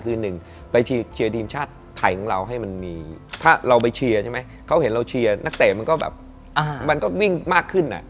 คือหนึ่งไปเชียร์ทีมชาติไทยของเราให้มันมีถ้าเราไปเชียร์ใช่ไหมเขาเห็นเราเชียร์นักเตะมันก็แบบมันก็วิ่งมากขึ้น